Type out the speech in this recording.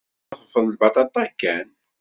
D aḍref n lbaṭaṭa kan.